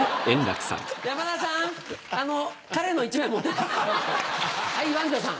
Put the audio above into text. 山田さん！